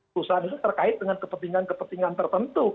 perusahaan itu terkait dengan kepentingan kepentingan tertentu